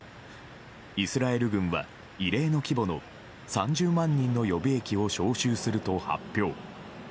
イスラエル軍は異例の規模の３０万人の予備役を招集すると発表。